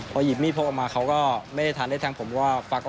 พอหยิบมีดพกออกมาเขาก็ไม่ได้ทานได้แทนผมว่า